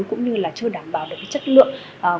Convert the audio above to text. cũng như chưa đảm bảo được chất lượng